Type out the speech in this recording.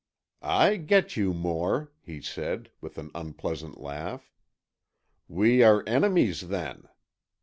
"I get you, Moore," he said, with an unpleasant laugh. "We are enemies, then?